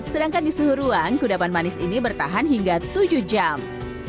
sedangkan di suhu ruang kudapan manis ini bertahan hingga tujuh jam